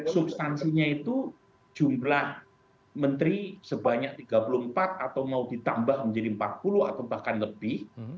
substansinya itu jumlah menteri sebanyak tiga puluh empat atau mau ditambah menjadi empat puluh atau bahkan lebih